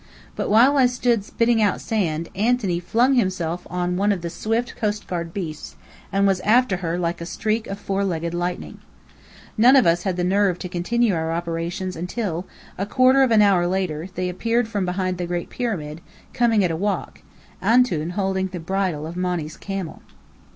But while I stood spitting out sand, Anthony flung himself onto one of the swift coastguard beasts, and was after her like a streak of four legged lightning. None of us had the nerve to continue our operations until, a quarter of an hour later, they appeared from behind the Great Pyramid, coming at a walk, "Antoun" holding the bridle of Monny's camel.